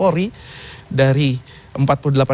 itu kami harus setiap tahun mendidik tujuh puluh ribu personel polri